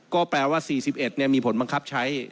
ก็แปลว่า๔๑มีผลบังคับใช้